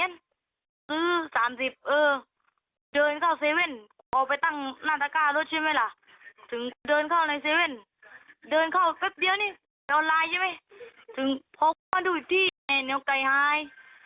ถึงพบมาดูอีกที่เนี่ยเหนียวไก่หาย